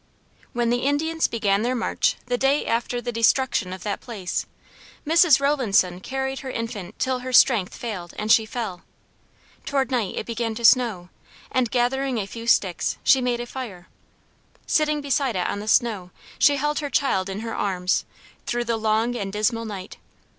When the Indians began their march the day after the destruction of that place, Mrs. Rowlandson carried her infant till her strength failed and she fell. Toward night it began to snow; and gathering a few sticks, she made a fire. Sitting beside it on the snow, she held her child in her arms, through the long and dismal night.